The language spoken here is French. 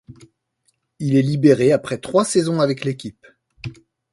Il est libéré après trois saisons avec l'équipe.